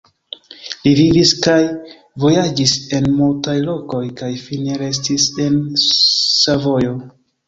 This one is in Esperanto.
Li vivis kaj vojaĝis en multaj lokoj kaj fine restis en Savojo.